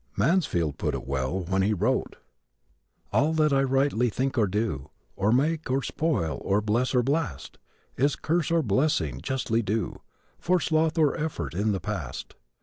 Masefield put it well when he wrote: All that I rightly think or do, Or make or spoil or bless or blast, Is curse or blessing justly due For sloth or effort in the past.